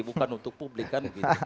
bukan untuk publik kan